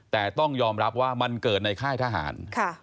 แต่ต้องยอมรับว่ามันเกิดในค่ายทหาร